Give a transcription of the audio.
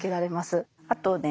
あとね